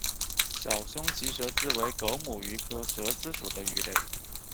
小胸鳍蛇鲻为狗母鱼科蛇鲻属的鱼类。